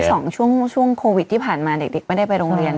สองช่วงโควิดที่ผ่านมาเด็กไม่ได้ไปโรงเรียน